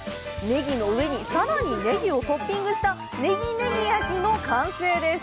ねぎの上に、さらにねぎをトッピングしたねぎねぎ焼きの完成です！